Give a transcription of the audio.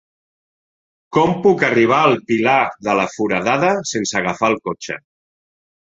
Com puc arribar al Pilar de la Foradada sense agafar el cotxe?